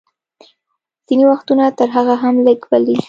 ځینې وختونه تر هغه هم لږ، بلې.